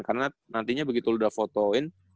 karena nantinya begitu lo udah fotoin